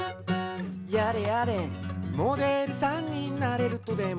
「やれやれモデルさんになれるとでも」